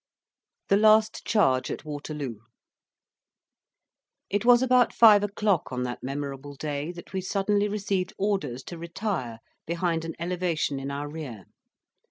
THE LAST CHARGE AT WATERLOO It was about five o'clock on that memorable day, that we suddenly received orders to retire behind an elevation in our rear.